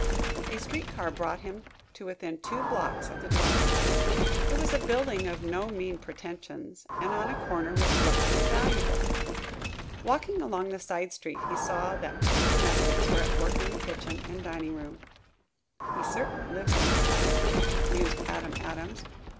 A street car brought him to within two blocks of the dwelling. It was a building of no mean pretentions and on a corner which looked to be valuable. Walking along the side street he saw that two domestics were at work in the kitchen and dining room. "He certainly lives in style," mused Adam Adams.